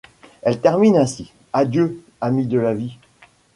Elle termine ainsi : «Adieu, ami de ma vie.